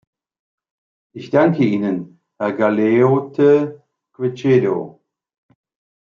Ich danke Ihnen, Herr Galeote Quecedo.